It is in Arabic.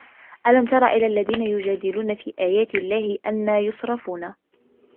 أَلَم تَرَ إِلَى الَّذينَ يُجادِلونَ في آياتِ اللَّهِ أَنّى يُصرَفونَ